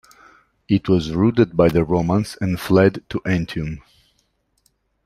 It was routed by the Romans and fled to Antium.